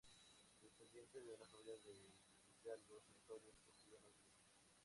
Descendiente de una familia de hidalgos notorios, castellanos viejos.